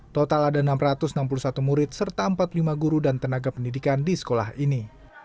total ada enam ratus enam puluh satu murid serta empat puluh lima guru dan tenaga pendidikan di sekolah ini